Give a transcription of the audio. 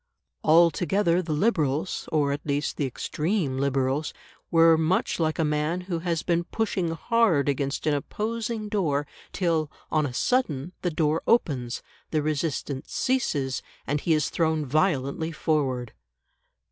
Altogether the Liberals, or at least the extreme Liberals, were much like a man who has been pushing hard against an opposing door, till, on a sudden, the door opens, the resistance ceases, and he is thrown violently forward.